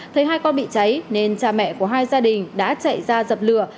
thấy hai con bị cháy nên cha mẹ của hai gia đình đã chạy ra dập lửa